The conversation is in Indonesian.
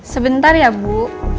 sebentar ya bu